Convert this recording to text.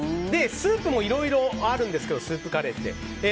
スープもいろいろありますがスープカレーって。